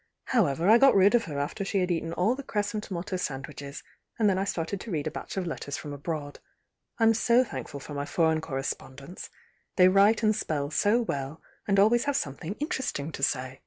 However, I got rid of her after she had eaten all the cress and tomato sandwiches, and then 1 started to read a batch of letters from abroad. I m 80 thankful for my foreign correspondents!— they write and spell so well, and always have something interesting to say.